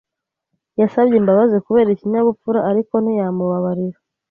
Yasabye imbabazi kubera ikinyabupfura, ariko ntiyamubabarira.